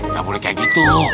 eh gak boleh kayak gitu